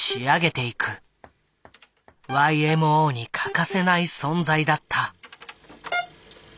ＹＭＯに欠かせない存在だった。